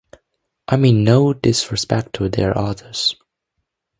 I mean no disrespect to their authors